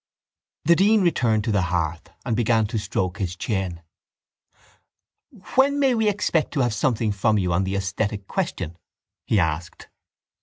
The dean returned to the hearth and began to stroke his chin. —When may we expect to have something from you on the esthetic question? he asked.